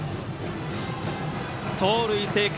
盗塁成功。